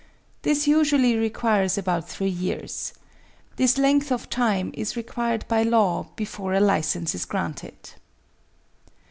This usually requires about three years. This length of time is required by law before a license is granted.